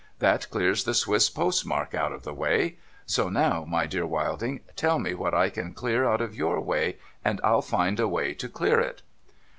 That clears the Swiss postmark out of the way. So now, my dear Wilding, tell me what I can clear out of your way, and I'll find a way to clear it.'